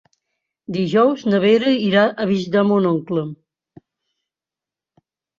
Dijous na Vera irà a visitar mon oncle.